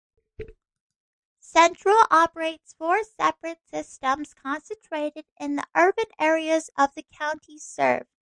Centro operates four separate systems concentrated in the urban areas of the counties served.